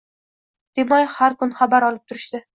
demay har kun xabar olib turishdi.